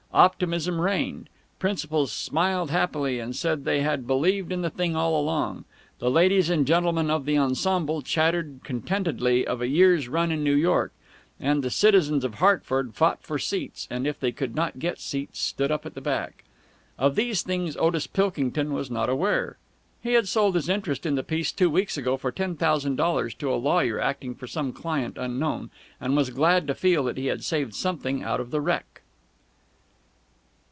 Optimism reigned. Principals smiled happily and said they had believed in the thing all along. The ladies and gentlemen of the ensemble chattered contentedly of a year's run in New York. And the citizens of Hartford fought for seats, and, if they could not get seats, stood up at the back. Of these things Otis Pilkington was not aware. He had sold his interest in the piece two weeks ago for ten thousand dollars to a lawyer acting for some client unknown, and was glad to feel that he had saved something out of the wreck.